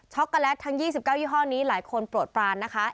โกแลตทั้ง๒๙ยี่ห้อนี้หลายคนโปรดปรานนะคะ